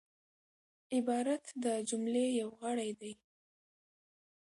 عبارت د جملې یو غړی دئ.